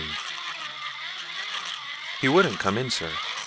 XIII "He wouldn't come in, sir.